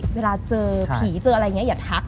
เวลาเจอผีเจออะไรอย่างนี้อย่าทัก